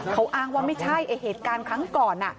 เขาอ้างว่าไม่ใช่ไอ้เหตุการณ์ครั้งก่อน